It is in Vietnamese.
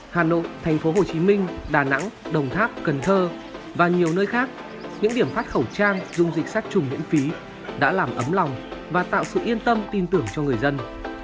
hà nội thành phố hồ chí minh đà nẵng đồng tháp cần thơ và nhiều nơi khác những điểm phát khẩu trang dung dịch sát trùng miễn phí đã làm ấm lòng và tạo sự yên tâm tin tưởng cho người dân